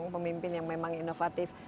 pemimpin yang memang inovatif